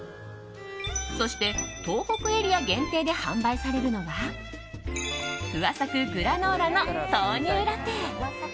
そして、東北エリア限定で販売されるのはふわサクグラノーラの豆乳ラテ。